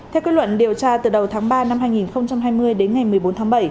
theo quyết luận điều tra từ đầu tháng ba năm hai nghìn hai mươi đến ngày một mươi bốn tháng bảy